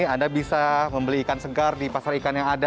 anda bisa membeli ikan segar di pasar ikan yang ada